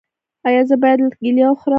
ایا زه باید کیله وخورم؟